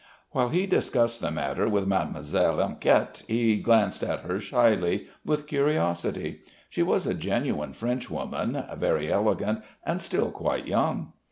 While he discussed the matter with Mademoiselle Enquette he glanced at her shyly, with curiosity. She was a genuine Frenchwoman, very elegant, and still quite young.